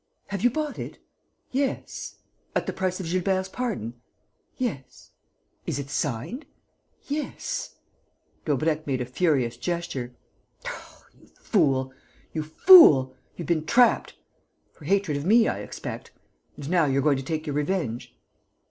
"Have you bought it?" "Yes." "At the price of Gilbert's pardon?" "Yes." "Is it signed?" "Yes." Daubrecq made a furious gesture: "You fool! You fool! You've been trapped! For hatred of me, I expect? And now you're going to take your revenge?"